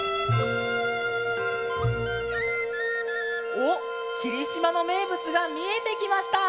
おっ霧島のめいぶつがみえてきました！